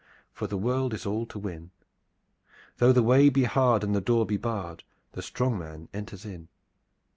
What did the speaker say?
For the world is all to win. Though the way be hard and the door be barred, The strong man enters in.